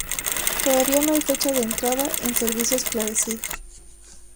Todavía no hay fecha de entrada en servicio esclarecida.